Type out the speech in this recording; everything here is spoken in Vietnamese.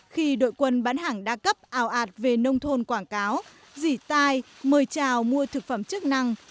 khi đội quân bán hàng đa cấp ao ạt về nông thôn quảng cáo dỉ tai mời trào mua thực phẩm chức năng